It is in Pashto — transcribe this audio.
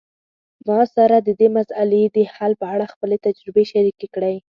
ما سره د دې مسئلې د حل په اړه خپلي تجربي شریکي کړئ